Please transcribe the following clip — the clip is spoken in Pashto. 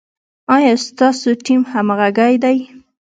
ایا ستاسو ټیم همغږی دی؟